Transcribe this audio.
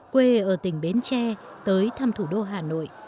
quê ở tỉnh bến tre tới thăm thủ đô hà nội